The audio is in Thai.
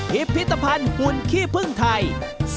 พิพิธภัณฑ์หุ่นขี้พึ่งไทย